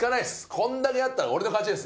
これだけあったら俺の勝ちです。